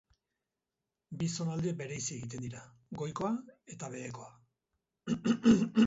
Bi zonalde bereizi egiten dira, goikoa eta behekoa.